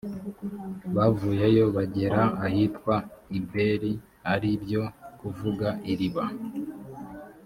bavuyeyo, bagera ahitwa i beri ari byo kuvuga ’iriba’.